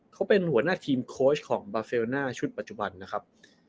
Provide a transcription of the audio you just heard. เขาเป็นหัวหน้าทีมโค้ชของบาเฟลน่าชุดปัจจุบันนะครับ